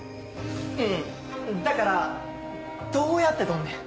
うんだからどうやって獲んねん。